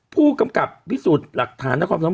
ผู้กำกับวิสูจน์หลักฐาน